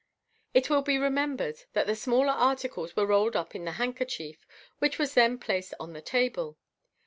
It will be remembered that the smaller articles were rolled up in the handkerchief, which was then planed on the table.